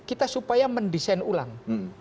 kita supaya mendesain ulang